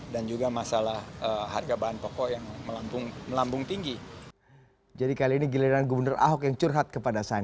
dan juga masalah harga bahan